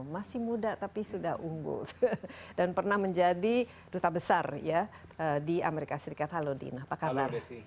masih muda tapi sudah unggul dan pernah menjadi duta besar di as halo dino apa kabar